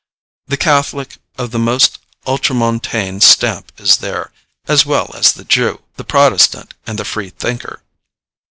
The Catholic of the most ultramontane stamp is there, as well as the Jew, the Protestant, and the freethinker.